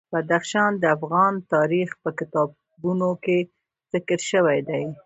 بدخشان د افغان تاریخ په کتابونو کې ذکر شوی دي.